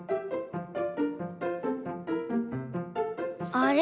あれ？